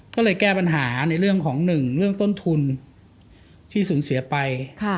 ก็เลยแก้ปัญหาในโดยของ๑เรื่องต้นทุนที่สูญเสียไป